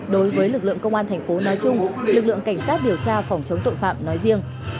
đối với lực lượng công an thành phố nói chung lực lượng cảnh sát điều tra phòng chống tội phạm nói riêng